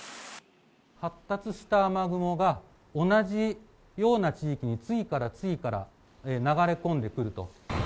発達した雨雲が、同じような地域に次から次から流れ込んでくると。